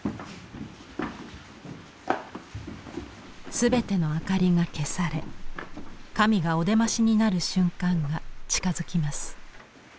全ての明かりが消され神がお出ましになる瞬間が近づきます。